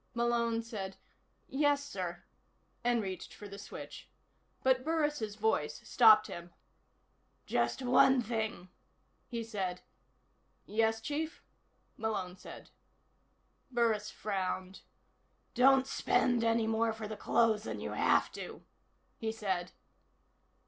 Malone said: "Yes, sir," and reached for the switch. But Burris' voice stopped him. "Just one thing," he said. "Yes, Chief?" Malone said. Burris frowned. "Don't spend any more for the clothes than you have to," he said.